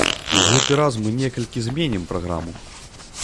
У гэты раз мы некалькі зменім праграму.